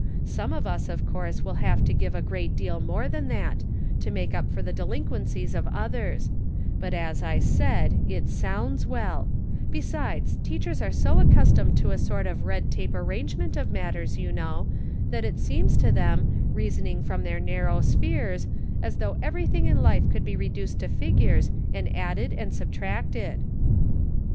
Some of us, of course, will have to give a great deal more than that, to make up for the delinquen cies of others ; but as I said, it sounds well ; besides, teachers are so accustomed to a sort of red tape arrangement of matters, you know, that it seems to them, reasoning from their nar row spheres, as though everything in life could 90 Pocket Measure. be reduced to figures and added and sub tracted."